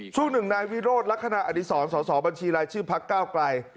ช่วงหนึ่งนายวิโรธลักษณะอดีศรสอสอบัญชีรายชื่อพักเก้าไกล